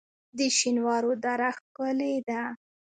د شینوارو دره ښکلې ده